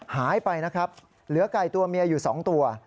หายไปนะครับเหลือไก่ตัวเมียอยู่๒ตัว